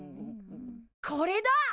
これだ！